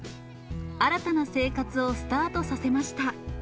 新たな生活をスタートさせました。